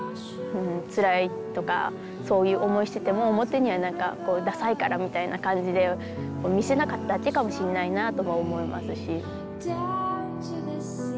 つらいとかそういう思いしてても表には何かダサいからみたいな感じで見せなかっただけかもしんないなとは思いますし。